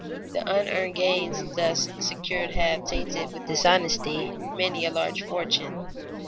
The unearned gains thus secured have tainted with dishonesty many a large fortune.